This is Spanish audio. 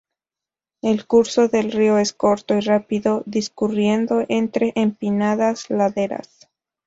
El curso del río es corto y rápido, discurriendo entre empinadas laderas.